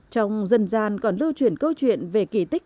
trong dân gian còn lưu truyền câu chuyện về kỳ tích